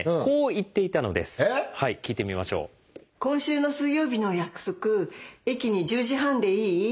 「今週の水曜日の約束駅に１０時半でいい？